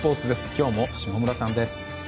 今日も下村さんです。